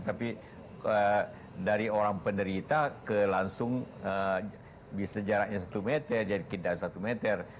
tapi dari orang penderita ke langsung bisa jaraknya satu meter jadi tidak satu meter